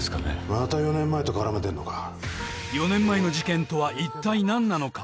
また４年前と絡めてんのか４年前の事件とは一体何なのか？